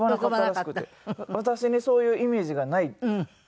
私にそういうイメージがないって。